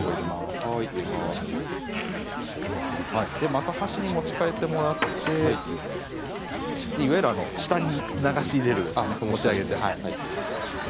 また箸に持ち替えていただいていわゆる下に流し入れる持ち上げて。